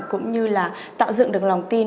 cũng như là tạo dựng được lòng tin